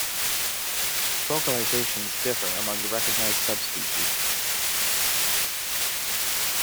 Vocalizations differ among the recognized subspecies.